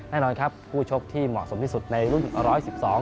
แน่นอนครับคู่ชกที่เหมาะสมที่สุดในรุ่น๑๑๒